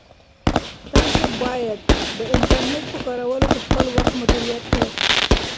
تاسو باید د انټرنیټ په کارولو کې خپل وخت مدیریت کړئ.